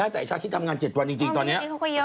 แต่ชาคิดทำงาน๗วันจริงตอนนี้